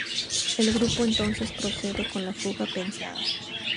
El grupo entonces procede con la fuga pensada.